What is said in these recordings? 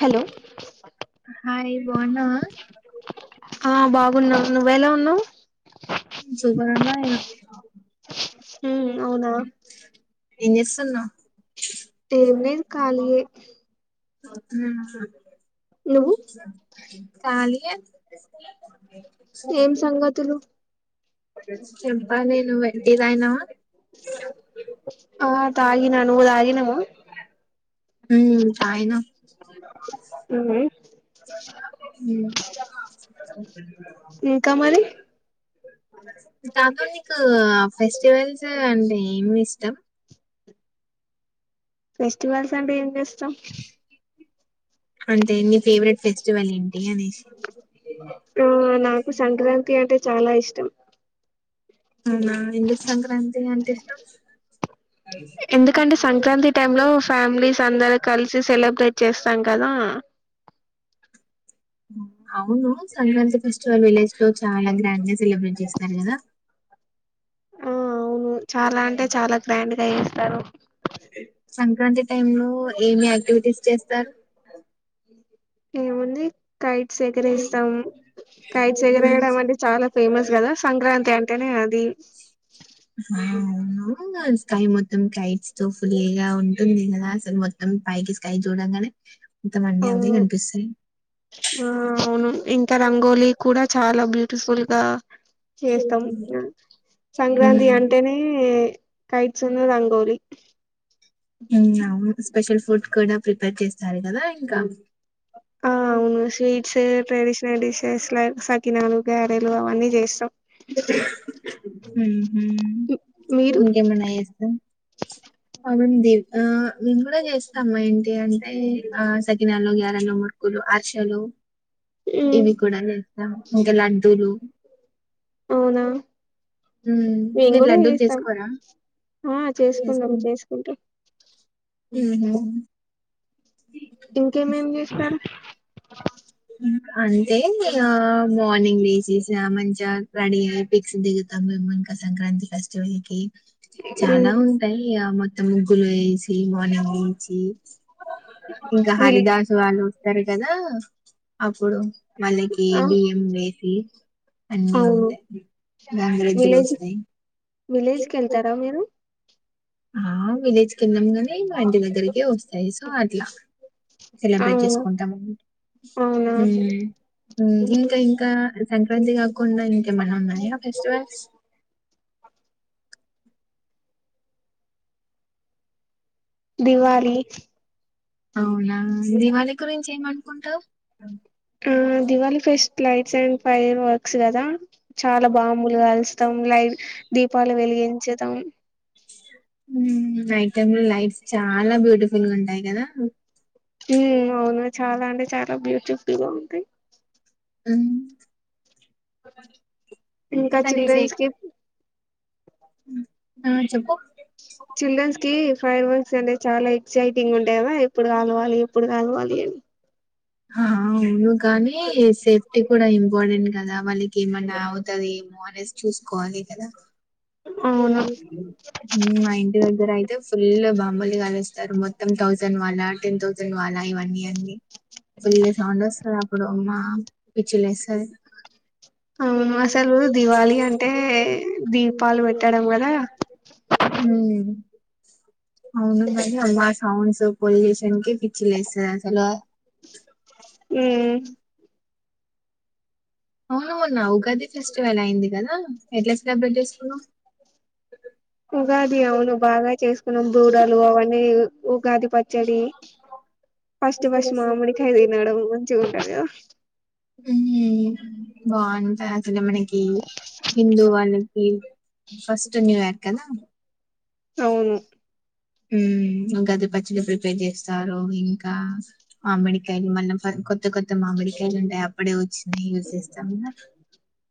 Hello hi బాగున్నావా ఆ బాగున్నాం నువ్వెలా ఉన్నావు సూపరున్నా నేను ఉమ్ అవునా ఏం చేస్తున్నావ్ ఏం లేదు కాలియే హ్మ్మ్ కాలి ఏం సంగతులు చెప్పాలె నువ్వే టీ దాగినావ ఆ తాగిన నువ్ తాగినవా ఉమ్ తాగినా ఇంకా మరి దాంట్లో నీకు ఆ ఫెస్ ఫెస్టివల్సే కదా అండి మి ఇష్టం ఫెస్టివల్స్ అంటే ఏం జేస్తాం అంటే నీ ఫేవరెట్ ఫెస్టివల్ ఏంటి అనేసి కీర్తి చాలా ఇష్టం. అవునా ఎందుకు సంక్రాంతి అంటే ఇష్టం. ఎందుకంటే సంక్రాంతి టైమ్ లో ఫ్యామిలీస్ అందరు కలిసి సెలబ్రేట్ చేస్తాం కదా అవును సంక్రాంతి ఫెస్టివల్ విలేజ్ లో చాలా గ్రాండ్ గా సెలబ్రేట్ చేస్తారు కదా ఆ అవును చాలా అంటే చాలా గ్రాండ్ గా ఏస్ తరో సంక్రాంతి టైం లో ఏమి యాక్టివిటీస్ చేస్తారు ఏముంది కై సేకిరి ఇష్టం. కైట్స్ ఎగరేయడం అంటె చాలా ఫేమస్ కదా. సంక్రాంతి అంటేనే అది. మాములుగా స్కై మొత్తం కైట్స్ తో ఫుల్గా ఉంటుంది కదా అసలు మొత్తం పైకి స్కై చూడంగనే. మొత్తం అన్నీ అవే అవును కనిపిస్తాయి. ఆ అవును ఇంకా రంగోలి కూడ చాల బ్యూటిఫుల్ గా చేస్తం హ్మ్. సంక్రాంతి అంటేనే కైట్సు ను, రంగోలి. మ్ అవును స్పెషల్ ఫుడ్ కూడా ప్రిపేర్ చేస్తా. ఆ అవును స్వీట్స్ ఏ ట్రేడిషన్ డిషెస్ లైక్ సకినాలు, గారెలు అవన్నీ చేస్తం. మ్ మ్ మీరు ఇంకేమన్న యేస్త బావుంది ఆ మేము కూడ చేస్తాము ఏంటి అంటే ఆసకి సకినాలు, గ్యారలు, ముర్కులు, అర్షలు. ఉమ్, ఇవి కూడ చేస్తాం ఇంకా లడ్డూలు. అవునా ఉ మేము మీరు కూడా లడ్డులు చేస్తాం చేసుకోరా. ఆ చేసుకుంటాం చేసుకుంటాం ఉ హు ఇంకేమేం చేస్తారు అంటే ఆ మార్నింగ్ వేసేసా మంచ రెడీ అయి పిక్స్ దిగుతాము మేము ఇంకా సంక్రాంతి ఫెస్టివల్కి. ఉమ్, చాలా ఉంటాయి య మో అంబులెన్స్ ఏమోనే మంచి విల్- జరగద అప్పుడు వాళ్ళకి ఆ, బియ్యం వేసి అన్ని అవును ఉంటాయి గంగిరెద్దులు విలేజ్, వస్తాయి విలేజ్ కెళ్తారా మీరు ఆ విలేజ్ కెల్లం గాని మా ఇంటి దగ్గరికే వస్తాయి సో అట్లా సెలబ్రేట్ అవును చేసుకుంటాం ఉ అవునా ఉ ఇంకా ఇంకా సంక్రాంతి కాకుండా ఇంకేమన్నా ఉన్నాయా ఫెస్టివల్స్. దివాళి అవునా దివాళి గురించి ఏమన్ కొంటవు హు Diwali fest lights and fireworks కదా చాలా బమ్ములు కలుస్తాం లైవ్ దీపాలు వెలిగించుతాం నైట్ టైమ్ లో లైట్స్ చాలా బ్యూటిఫుల్ గా ఉంటాయి కదా ఉ అవును చాలా అంటే చాలా బ్యూటిఫుల్ గా ఉంటాయి ఉ ఇంకా కానీ సే చిల్డ్రన్స్కీ గిప్ ఆ! చెప్పు. చిల్డ్రన్స్ కి ఫైర్ వర్క్స్ అంటే చాలా ఇ ఎక్సైటింగ్ ఉంటే ఎప్పుడు కల్ వాళ్ళు ఎప్పుడు కలవాలి అని అవును కానీ సేఫ్టీ కూడా ఇంపార్టెంట్ కదా వాళ్ కి ఏమన్నా అవుతాది ఏమో అని ఫేస్ చూసుకోవాలి కదా అవును మా ఇంటి దగ్గర అయితే ఫుల్ బాంబుల్ని కలుస్ స్తార్ మొత్తం థౌజండ్ వాల టెన్ థౌసండ్ వాల ఇవన్నీ అండి ఫుల్ సౌండ్ వస్తాది అప్పుడు అమ్మ పిచ్చి లేస్తాది అవును అసలు దివాళి అంటే దీపాలు పెట్ హు అవును మరి అమ్మా సౌండ్స్ పొల్యూషన్ కి పిచ్చి లేస్తాది అసలు ఆ హు అవునువున్నావుగ గది ఫెస్టివల్ అయింది కదా ఎల్ ఐ సి డబ్బులు ఎంత తీసుకున్నావు ఉగాది అవును ఉగాద్ పచ్చడి ఫస్ట్ ఫస్ట్ మామిడికాయ తినడం మంచిగా ఉంటదికదా ఉ బంటది మళ్ల మనకి హిందూ వాళ్ళకి ఫస్ట్ న్యూఇయర్ కదా అవును [inaudible] ఉగాది పచ్చిడి ప్రిపేర్ చేస్తారు ఇంకా మామిడికాయలు మళ్ల మనం కోత కొత్త కొత్త మామిడికాయలు ఉంటాయి అప్పుడే వచ్చినయి యూస్ చేస్తాం కదా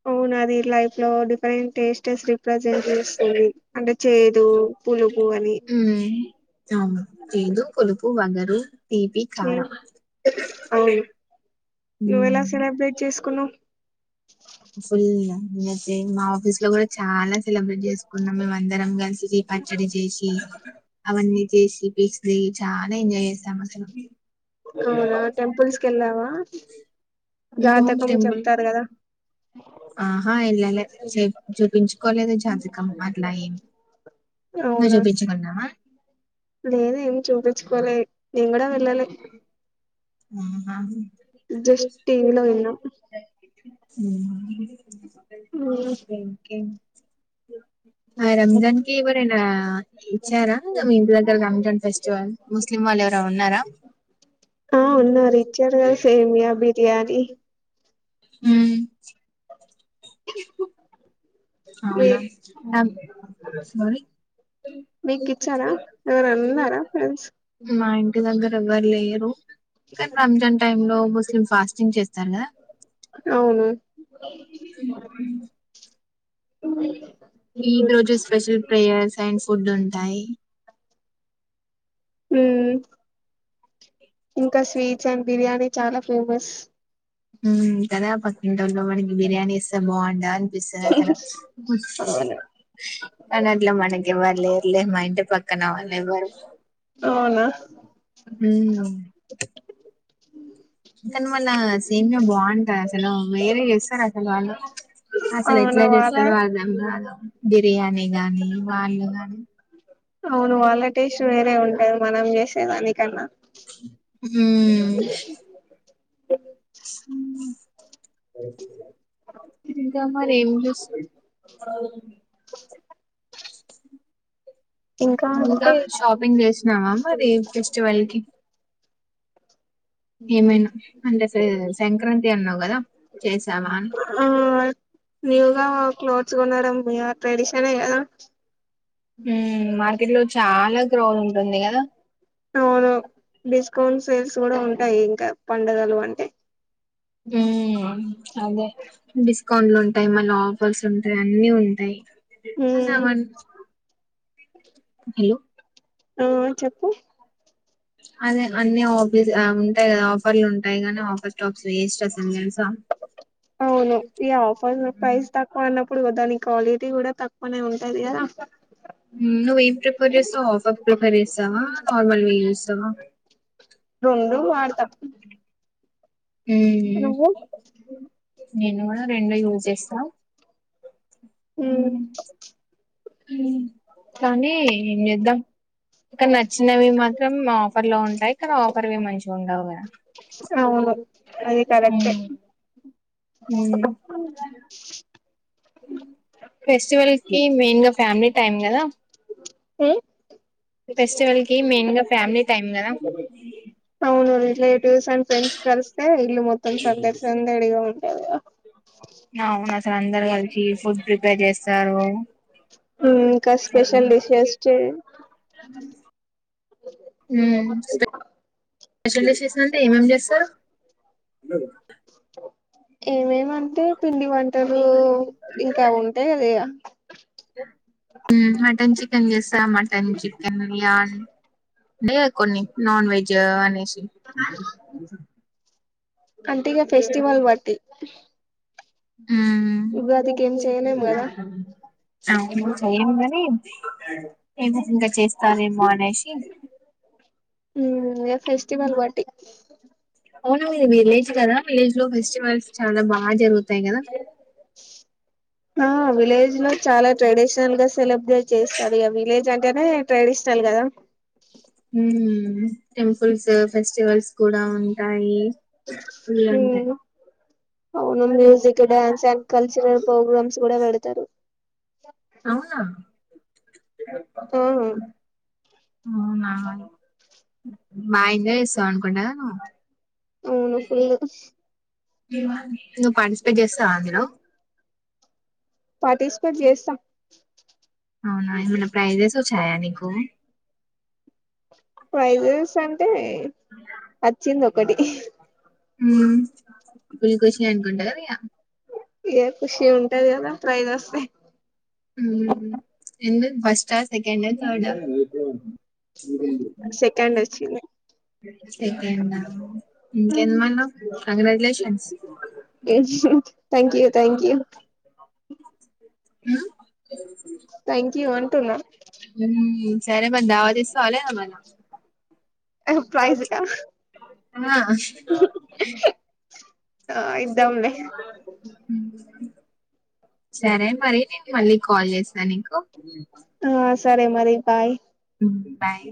అవునా మీ లైఫ్ లో డిఫరెంట్ టేస్ట్స్ ప్రజెంట్ చేస్తుంది అంటే చేదు పులు హ్మ్ అవును పులుపు వగా అ తిపి ఉమ్, కారం నువ్వ ఎలా సెలబ్రేట్ చేసుకున్నావ్ ఫుల్తే మా ఆఫీస్ లో కూడా చాలా సెలబ్రటీ చేసుకున్నాం మేము అందరం కలిసి పచ్చడి చేసి అవన్నీ చేసిపి అవునా టెంపుల్స్ కి వెళ్దావా జాతకం టెంపుల్ చెప్తారు కదా ఆహా ఎల్లెలె చూప కలేజ జాజ కమ్ మట్లాయిన్ మ చూపించుకున్నావా లేద ఏమి చూపించుకోలే నేను కూడా వెళ్ ఉ జస్ట్ టీవలో విన్న ఉ ఉమ్, ఇంకేంటి అ ఆ రంజాన్ కి ఎవరైనా ఇచ్చారా మీ ఇంటి దగ్గర రంజాన్ ఫెస్టివల్ ముస్లిం వాళ్ళు ఎవరు ఉన్నారా ఆ ఉన్నారు రిచ్చర్ గ సేమియా బిర్యానీ హ ఉమ్, మీ అవునా సార మీకు ఇచ్చారా ఎవరన్నారా ఫ్రెండ్స్ మా ఇంటి దగ్గర ఎవ్వరు లేరు కానీ రంజాన్ టై లో ముస్లిం ఫాస్టింగ్ చేస్త చాలా అవును ఈ రోజు స్పెషల్ ప్రేయర్స్ అండ్ ఫుడ్ ఉంటాయి హ ఓకే ఇంకా స్వీట్స్ అండ్ బిర్యానీ చాలా ఫేమస్ తర ప ఇంటర్లో బిర్యానీ ఇస్తే బాగుండాల అవును కానీ అట్లా మనకి ఎవ్వరు లేరులే మా ఇంటి పక్కన వాళ్ళు ఎవ్వరు అవునా అని వాళ్ళ సేమే బాగుంటంది అసలు వేరే చేస్తారు అసలు వాళ్ళు అసలు అవును ఎట్లా వాళ్ళ చేస్తారు అర్ధం రాదు బిర్యానీ గానీ, వాళ్ళు గానీ అవును వాళ్ళ టేస్ట్ వేరే ఉంటది మనం చేసేదానికి కన్న హ హ ఓకే ఇంకా మరి ఏం చే స ఇంకా ఇకా అంటే షాపింగ్ చేసినామా మరి ఫెస్టివల్ కి అంటే ఫే సంక్రాంతి అన్నావు గదా! చేసావా అని? ఆ న్యూగా క్లోత్స్ కొనడం మీ ట్రెడిషన్ కద మా ఇంట్లో చాలా గ్రో ఉంది ఉంటుంది కదా అవును బేస్ అకౌంట్ సేల్స్ కూడా ఉంటాయి ఇంకా పడుగలు అంటే ఉ అదే స్కౌంట్లు ఉంటాయి మళ్ళీ ఆఫర్స్ ఉంటాయి అన్ని ఉంటాయి ఒక ఉమ్ సావన్ హలో ఆ చెప్పు అదే అన్నీ అభివు ఉంటాయి కదా ఆఫర్లు ఉంటాయి కానీ ఆఫర్ స అవును ఇ ఫర్ ఉమ్ ప్రైస్ తక్కువ ఐనప్పుడు ఇప్పుడు దాని క్వాలిటీ కూడా తక్కువనే ఉంటాది కదా నువ్వ ఏం ప్రిఫర్ చేస్తావు అఫ్ ప్రిఫర్ చేస్తావా నార్మల్ చేస్తావా రెండు వాడతా హ్మ్ నేను గుడా రెండు యూజ్ చేస్తా హ్మ్ హ్ కానీ ఏం చేద్దాం ఇక్కడ నచ్చినవి మాత్రం ఆఫర్ లో ఉంటాయి ఇక్కడ ఆఫర్వి మంచి ఉండవుగా అవును అది కరెక్టే ఫెస్టివల్ కి మెయిన్ గా ఫ్యామిలీ టైమ్ కదా ఉమ్ ఫెస్టివల్ కి మెయిన్ గా ఫ్యామిలీ టైం కదా ప్లే ట్యూర్స్ అండ్ ఫ్రెండ్స్ కలిస్త ఇల్లు మొత్తం సందడిసందడిగా ఉం [unintelligible] అవునసల్ అందరు కలిషి ఫుడ్ ప్రీ పేర్ చేస్తారు ఇంకా స్పెషల్ డిషెష్ చే హ్మ్ స్పెషల్ డిషెస్ అంటే ఏమేం చేస్తారు అ ఏమేం అంటే పిండి వంటలు ఇంకా ఉంటాయి కదా ఇగ మటన్ చికెన్ చేస్తా మటన్ చికెన్ ఏలా అంటే కొన్ని నాన్ వెజ్ అనేషి అంటగా ఫెస్టివల్ మటి మ్మ్మ్ ఏం చేయలేము కదా అవ్ను సేమ్గని ఏ విధంగా చేస్తారేమో అనేసి ఉమ్ ఇగ ఫెస్టివల్ బట్టి అవునా మీది విలేజ్ కదా విలేజ్ లో ఫెస్టివల్స్ చాలా బాగా జరుగుతాయి కదా ఆ విలేజ్ లో చాలా ట్రెడిషనల్ గా సెలబ్రేట్ చేస్ విలేజ్ అం ఇకనే ట్రెడిషనల్ కదా మ్మ్ టెంపుల్స్ ఫెస్టివల్స్ కూడా ఉంటాయి ఫుల్ ఉంటాయి మ్మ్మ్ అవును music dance and cultural programmes కూడా పెడతారు అవునా ఆ అవ్నా బాగా ఎంజాయ్ చేస్తావు అనుకుంటదా నువ్వు అవును ఫుల్ [unintelligible] మా నువ్వు పార్టిసిపేట్ చేస్త అగినావ్ పార్టిసిపేట్ చేస్తాం అవునా మన ప్రైజెస్ వచ్చ యానికు ఫైజస్ అంటే వచ్చింది ఒకటి మ్మ కుుల్కషి అనుకుంట కదయా ఏ ఖుషి ఉంటది కదా ప్రియిస్ వస్తే మ్ ఎందు ఫస్ట్ సెకండ థర్దా సెకండ్ వచ్చింది సెకండ ఇంకె మన్నా congratulations thank you thank you thank you అంటున్నా సర అధావాదిస్త హాల మరి ప్రైజ్ కా ఆ ఆ ఇద్దాంలే [unintelligible] సరే మరి నేను మళ్ళీ కాల్ చేస్తా నికు ఆ సరే మరి భాయ్ బాయ్